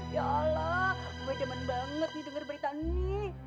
ya allah gue demen banget nih denger berita ini